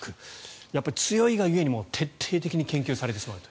やっぱり強いが故に徹底的に研究されてしまうと。